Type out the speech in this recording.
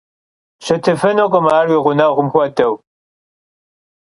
Şıtıfınukhım ar yi ğuneğum xuedeu.